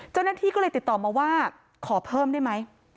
เจ้าหน้าที่ก็เลยติดต่อมาว่าขอเพิ่มได้ไหม